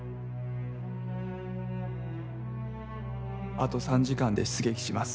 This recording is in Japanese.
「あと三時間で出撃します。